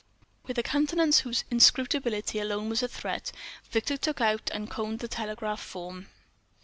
With a countenance whose inscrutability alone was a threat, Victor took out and conned the telegraph form.